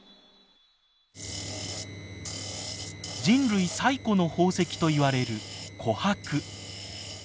人類最古の宝石といわれる琥珀。